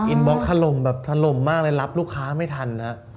อินบล็อกทะลมแบบทะลมมากเลยรับลูกค้าไม่ทัน